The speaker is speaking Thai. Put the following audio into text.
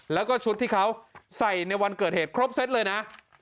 แล้วก็ชุดที่เขาใส่ในวันเกิดเหตุครบเซตเลยนะ